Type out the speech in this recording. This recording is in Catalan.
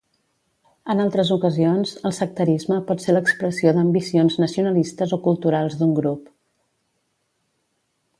En altres ocasions, el sectarisme pot ser l'expressió d'ambicions nacionalistes o culturals d'un grup.